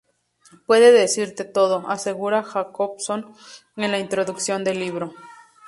Puede decirte todo", asegura Jacobson en la introducción del libro.